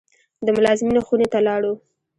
د ملازمینو خونې ته لاړو.